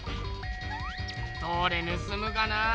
どれぬすむがなあ